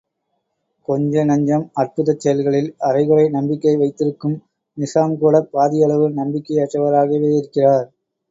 கொஞ்ச நஞ்சம் அற்புதச் செயல்களில் அரைகுறை நம்பிக்கை வைத்திருக்கும் நிசாம் கூடப் பாதியளவு நம்பிக்கை யற்றவராகவேயிருக்கிறார்.